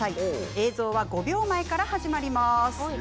映像は５秒前から始まります。